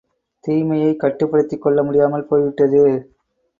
தீமையைக் கட்டுப்படுத்திக் கொள்ள முடியாமல் போய்விட்டது.